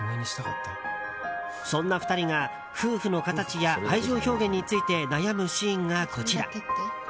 そんな２人が夫婦の形や愛情表現について悩むシーンがこちら。